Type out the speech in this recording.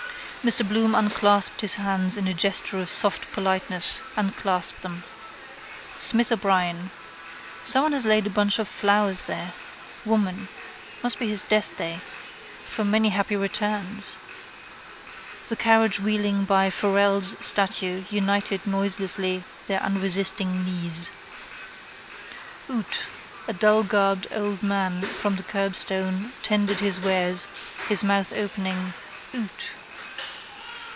Mr Bloom unclasped his hands in a gesture of soft politeness and clasped them. Smith O'Brien. Someone has laid a bunch of flowers there. Woman. Must be his deathday. For many happy returns. The carriage wheeling by Farrell's statue united noiselessly their unresisting knees. Oot: a dullgarbed old man from the curbstone tendered his wares, his mouth opening: oot.